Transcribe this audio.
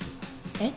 えっ？